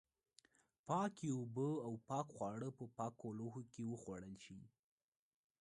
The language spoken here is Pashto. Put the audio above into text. پاکې اوبه او پاک خواړه په پاکو لوښو کې وخوړل شي.